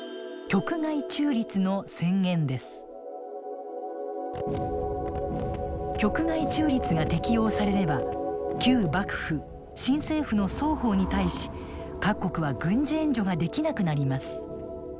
局外中立が適用されれば旧幕府・新政府の双方に対し各国は軍事援助ができなくなります。